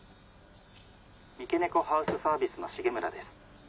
三毛猫ハウスサービスの重村です。